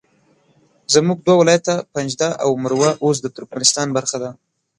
زموږ دوه ولایته پنجده او مروه اوس د ترکمنستان برخه ده